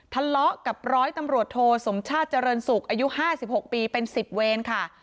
ทะเลาะกับร้อยตำรวจโทสมชาติเจริญศุกร์อายุ๕๖ปีเป็น๑๐เวรค่ะ